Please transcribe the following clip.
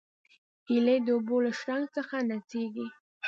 هیلۍ د اوبو له شرنګ سره نڅېږي